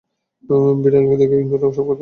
বিড়াল দেখে ইঁদুররা সব আত্মগোপন করে।